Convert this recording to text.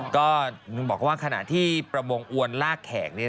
ก็บอกว่าขณะที่ประมงอวนลากแขก